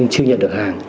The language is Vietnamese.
chưa nhận được hàng